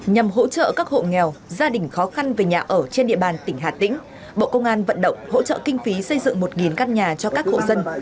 nhằm hỗ trợ các hộ nghèo gia đình khó khăn về nhà ở trên địa bàn tỉnh hà tĩnh bộ công an vận động hỗ trợ kinh phí xây dựng một căn nhà cho các hộ dân